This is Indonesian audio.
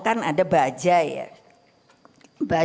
ya udah kutip